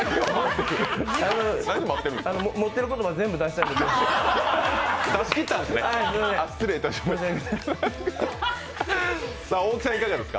持ってる言葉全部出したんです。